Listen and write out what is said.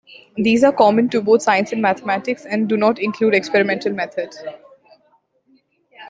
These are common to both science and mathematics, and do not include experimental method.